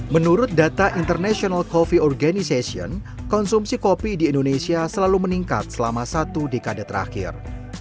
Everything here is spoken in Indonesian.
menurut data international coffee organization konsumsi kopi di indonesia selalu meningkat selama satu dekade terakhir